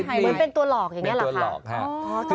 เหมือนเป็นตัวหลอกอย่างนี้หรอคะ